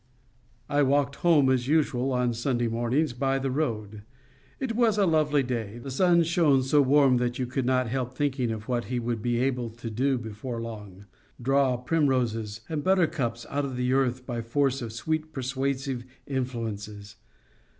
I walked home, as usual on Sunday mornings, by the road. It was a lovely day. The sun shone so warm that you could not help thinking of what he would be able to do before long—draw primroses and buttercups out of the earth by force of sweet persuasive influences.